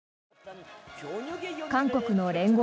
韓国の聯合